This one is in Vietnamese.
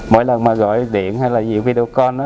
mỗi lần mà gọi điện hay là nhiều video call á